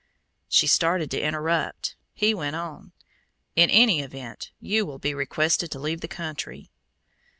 She started to interrupt; he went on. "In any event you will be requested to leave the country."